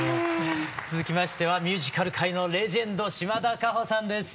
続きましてはミュージカル界のレジェンド島田歌穂さんです。